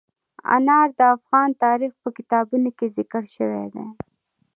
انار د افغان تاریخ په کتابونو کې ذکر شوی دي.